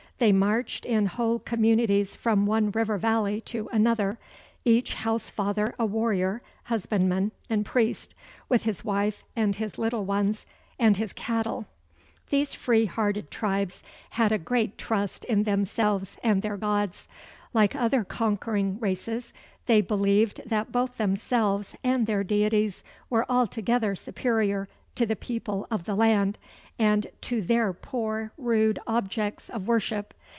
They marched in whole communities from one river valley to another; each house father a warrior, husbandman, and priest; with his wife, and his little ones, and his cattle. These free hearted tribes had a great trust in themselves and their gods. Like other conquering races, they believed that both themselves and their deities were altogether superior to the people of the land, and to their poor, rude objects of worship.